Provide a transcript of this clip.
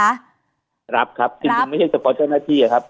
รับครับจริงไม่ใช่เฉพาะเจ้าหน้าที่ครับ